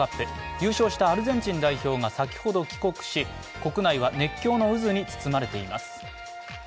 優勝したアルゼンチン代表が先ほど帰国し、国内は熱狂の渦に包まれています。